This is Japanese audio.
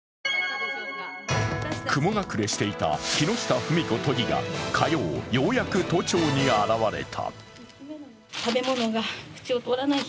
雲隠れしていた木下富美子都議が火曜、ようやく都庁に現れた。